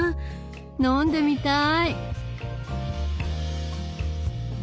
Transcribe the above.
飲んでみたい！